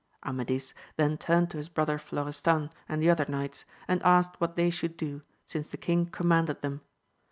Amadis then turned to his brother Florestan and the other knights, and asked what they should do since the king commanded them.